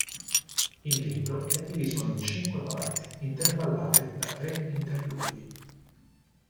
Il libro è diviso in cinque parti intervallate da tre interludi.